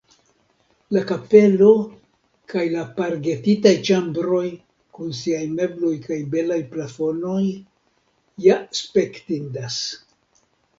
La kapelo kaj la pargetitaj ĉambroj kun siaj mebloj kaj belaj plafonoj ja spektindas.